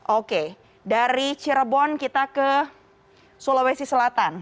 oke dari cirebon kita ke sulawesi selatan